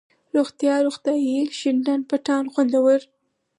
روغتيا، روغتیایي ،شين ډنډ، پټان ، خوندور،